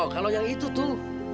kalau yang itu tuh